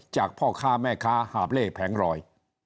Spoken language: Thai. พ่อค้าแม่ค้าหาบเล่แผงรอย